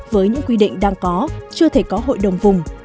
với những quy định đang có chưa thể có hội đồng vùng